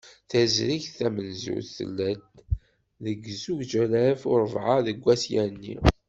Tazrigt tamenzut, tella deg zuǧ alaf u rebεa deg At Yanni.